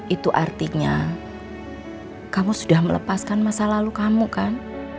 itu artinya kamu sudah melepaskan masa lalu kamu kan